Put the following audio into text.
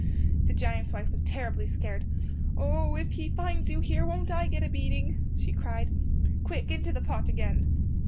The giant's wife was terribly scared, "Oh, if he finds you here won't I get a beating!" she cried. "Quick; into the pot again!"